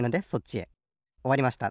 おわりました。